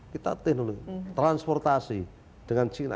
kita transportasi dengan china